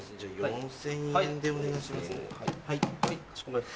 ４０００円でお願いします。